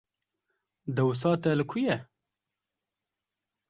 Dewsa te li ku ye?